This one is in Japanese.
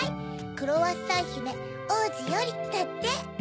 クロワッサンひめおうじより」だって。